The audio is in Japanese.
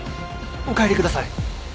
お帰りください。